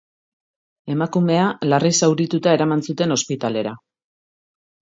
Emakumea larri zaurituta eraman zuten ospitalera.